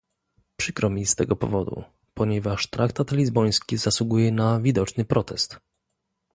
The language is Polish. Przykro mi z tego powodu, ponieważ traktat lizboński zasługuje na widoczny protest